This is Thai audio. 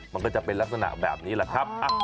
มันก็จะเป็นลักษณะแบบนี้แหละครับ